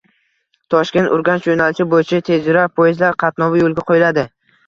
Toshkent – Urganch yo‘nalishi bo‘yicha tezyurar poyezdlar qatnovi yo‘lga qo‘yiladi.